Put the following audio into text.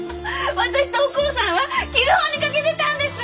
私とお光さんは着る方に賭けてたんです！